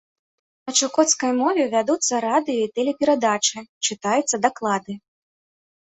На чукоцкай мове вядуцца радыё-і тэлеперадачы, чытаюцца даклады.